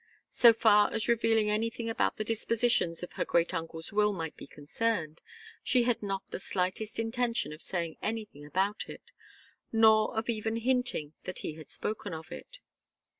So far as revealing anything about the dispositions of her great uncle's will might be concerned, she had not the slightest intention of saying anything about it, nor of even hinting that he had spoken of it.